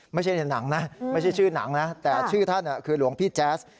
ไม่ใช่ชื่อหนังนะแต่ชื่อท่านคือหลวงพี่แจ๊ส